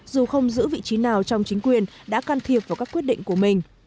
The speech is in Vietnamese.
dù không giữ vị trí nào trong chính quyền đã can thiệp vào các quyết định của mình